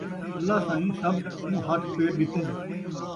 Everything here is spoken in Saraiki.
اللہ سئیں سب کوں ہتھ پیر ݙتن